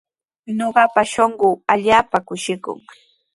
Ñuqapa shunquu allaapa kushikun.